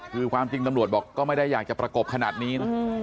คือความจริงตำรวจบอกก็ไม่ได้อยากจะประกบขนาดนี้นะ